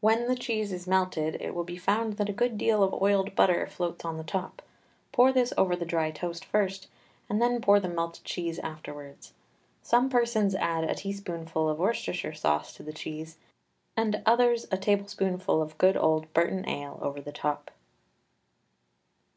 When the cheese is melted it will be found that a good deal of oiled butter floats on the top. Pour this over the dry toast first, and then pour the melted cheese afterwards. Some persons add a teaspoonful of Worcester sauce to the cheese, and others a tablespoonful of good old Burton ale over the top.